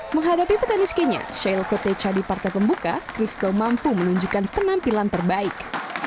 menghadapi petenis kenya shayle kepecha di partai pembuka christo mampu menunjukkan penampilan terbaik